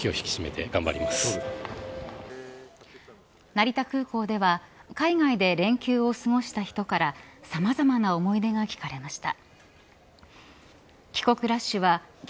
成田空港では海外で連休を過ごした人からさまざまな思い出が聞かれました。